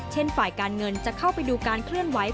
ฝ่ายการเงินจะเข้าไปดูการเคลื่อนไหว